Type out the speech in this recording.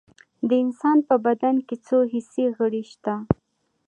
د انسان په بدن کې څو حسي غړي شته